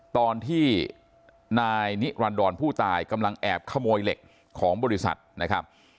ตอนที่นายนิรันดรผู้ตายกำลังแอบขโมยเหล็กของบริษัทนะครับ